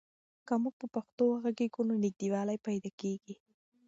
که موږ په پښتو وغږېږو نو نږدېوالی پیدا کېږي.